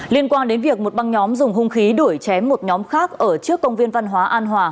liên quan đến việc một băng nhóm dùng hung khí đuổi chém một nhóm khác ở trước công viên văn hóa an hòa